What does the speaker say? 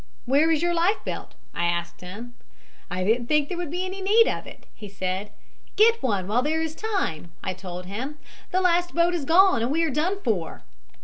"'Where is your life belt?' I asked him. "'I didn't think there would be any need of it,' he said. "'Get one while there is time,' I told him. 'The last boat is gone, and we are done for.'